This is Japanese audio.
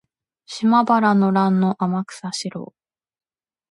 島原の乱の天草四郎